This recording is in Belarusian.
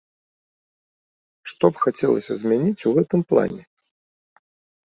Што б хацелася змяніць у гэтым плане?